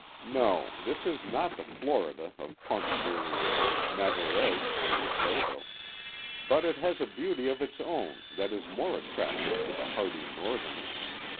No, this is not the Florida of Ponce de Leon, Narvaez, and De Soto, but it has a beauty of its own that is more attractive to the hardy North erner.